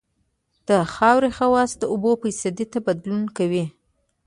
د خاورې خواص د اوبو فیصدي ته بدلون کوي